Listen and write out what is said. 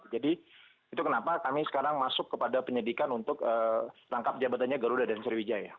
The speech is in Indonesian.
jadi itu kenapa kami sekarang masuk kepada penyelidikan untuk rangkap jabatannya garuda dan sriwijaya